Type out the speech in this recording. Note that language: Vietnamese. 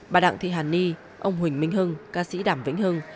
bà đặng thị hàn ni ông huỳnh minh hưng ca sĩ đàm vĩnh hưng